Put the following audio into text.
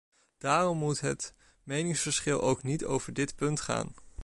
Daarom moet het meningsverschil ook niet over dit punt gaan.